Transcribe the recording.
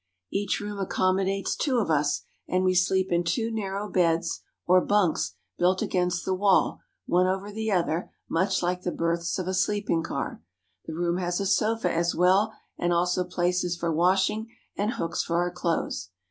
Each room ac commodates two of us, and we sleep in two narrow beds or bunks built against the wall one over the other much like the berths of a sleeping car. The room has a sofa as well, and also places for washing and hooks for our clothes.